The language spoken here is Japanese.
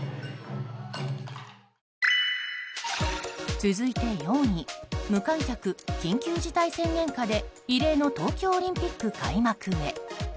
続いて４位無観客、緊急事態宣言下で異例の東京オリンピック開幕へ。